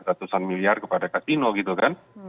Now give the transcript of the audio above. ratusan miliar kepada kasino gitu kan